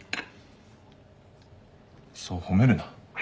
そう褒めるな。